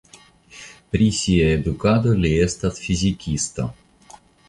Pri sia edukado li estas fizikisto.